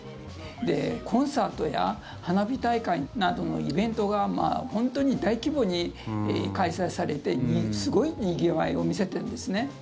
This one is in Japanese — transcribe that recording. コンサートや花火大会などのイベントが本当に大規模に開催されてすごいにぎわいを見せているんですね。